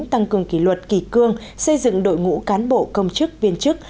tăng cường kỷ luật kỳ cương xây dựng đội ngũ cán bộ công chức viên chức